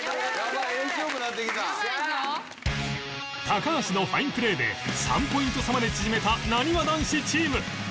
高橋のファインプレーで３ポイント差まで縮めたなにわ男子チーム